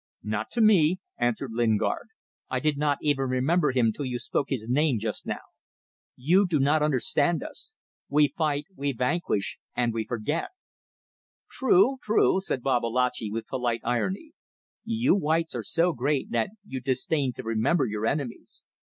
"Not to me," answered Lingard. "I did not even remember him till you spoke his name just now. You do not understand us. We fight, we vanquish and we forget." "True, true," said Babalatchi, with polite irony; "you whites are so great that you disdain to remember your enemies.